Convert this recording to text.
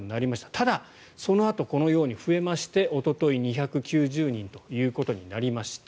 ただ、そのあとこのように増えましておととい２９０人となりました。